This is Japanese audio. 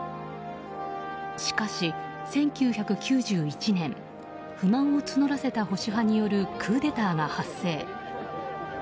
しかし１９９１年不満を募らせた保守派によるクーデターが発生。